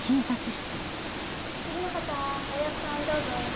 次の方大藪さんどうぞ。